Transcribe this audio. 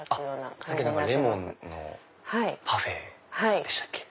さっきレモンパフェでしたっけ。